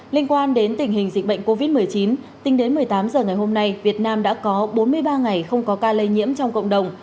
liên quan đến tình hình dịch bệnh covid một mươi chín tính đến một mươi tám h ngày hôm nay việt nam đã có bốn mươi ba ngày không có ca lây nhiễm trong cộng đồng